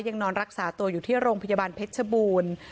ยังนอนรักษาตัวอยู่ที่โรงพยาบาลเพชรชบูรณ์